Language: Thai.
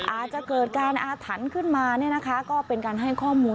อาจจะเกิดการอาถรรพ์ขึ้นมาเนี่ยนะคะก็เป็นการให้ข้อมูล